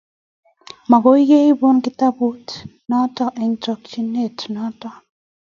Makoi kebun kitabut noto eng chokchet noto